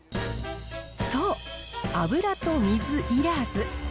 そう、油と水いらず。